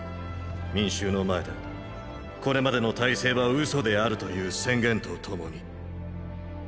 民衆の前でこれまでの体制は嘘であるという宣言とともに。